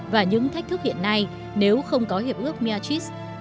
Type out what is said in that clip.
và những thách thức hiện nay nếu không có hiệp ước myatris